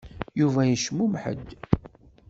Yuba yecmumeḥ-d.